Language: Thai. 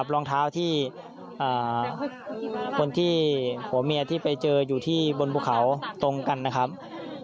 รองเท้าที่คนที่ผัวเมียที่ไปเจออยู่ที่บนภูเขาตรงกันนะครับ